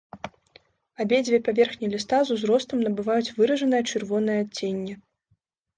Абедзве паверхні ліста з узростам набываюць выражанае чырвонае адценне.